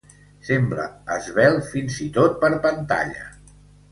Sembla esvelt fins i tot per pantalla.